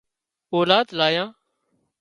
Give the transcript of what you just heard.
اولاد آليان